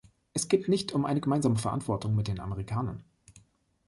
Es geht nicht um eine gemeinsame Verantwortung mit den Amerikanern.